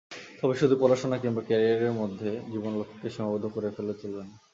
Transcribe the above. তবে শুধু পড়াশোনা কিংবা ক্যারিয়ারের মধ্যে জীবনের লক্ষ্যকে সীমাবদ্ধ করে ফেললে চলবে না।